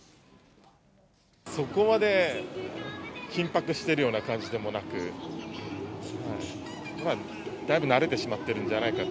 そこまで緊迫しているような感じでもなく、だいぶ慣れてしまってるんじゃないかと。